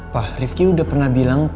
pak rifki udah pernah bilang